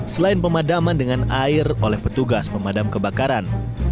selain pemadaman dengan air oleh petugas pemadam kebakaran